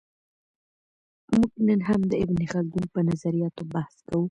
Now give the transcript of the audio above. موږ نن هم د ابن خلدون په نظریاتو بحث کوو.